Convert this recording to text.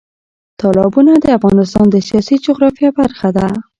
تالابونه د افغانستان د سیاسي جغرافیه برخه ده.